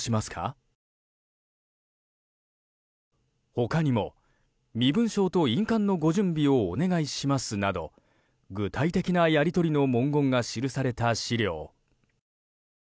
他にも、身分証と印鑑のご準備をお願いしますなど具体的なやり取りの文言が記された資料。